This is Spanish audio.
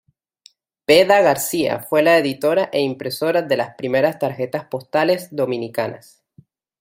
Vda García fue la editora e impresora de las primeras tarjetas postales dominicanas.